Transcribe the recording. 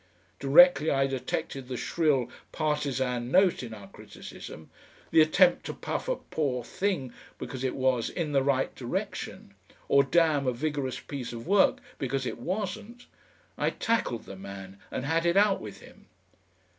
Directly I detected the shrill partisan note in our criticism, the attempt to puff a poor thing because it was "in the right direction," or damn a vigorous piece of work because it wasn't, I tackled the man and had it out with him.